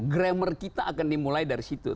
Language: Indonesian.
gramer kita akan dimulai dari situ